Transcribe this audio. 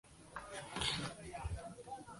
友人洪亮吉持其丧以归。